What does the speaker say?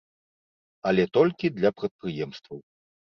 Але толькі для прадпрыемстваў.